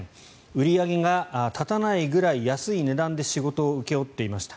売り上げが立たないぐらい安い値段で仕事を請け負っていました。